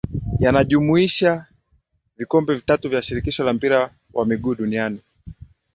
Yanajumuisha vikombe vitatu vya shirikisho la mpira wa miguu duniani